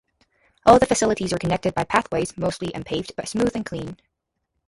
All the facilities are connected by pathways, mostly unpaved but smooth and clean.